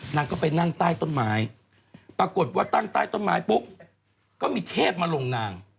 นางก็ไปนั่งใต้ต้นไม้ปรากฏว่าตั้งใต้ต้นไม้ปุ๊บก็มีเทพมาลงนาง